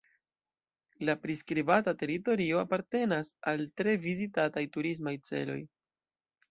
La priskribata teritorio apartenas al tre vizitataj turismaj celoj.